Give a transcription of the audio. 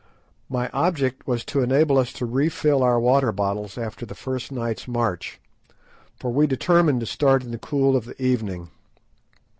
My object was to enable us to refill our water bottles after the first night's march, for we determined to start in the cool of the evening.